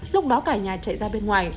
lúc đó cả nhà chạy ra bên ngoài